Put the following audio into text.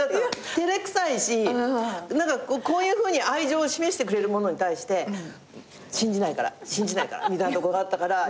照れくさいしこういうふうに愛情を示してくれるものに対して信じないから信じないからみたいなとこがあったから。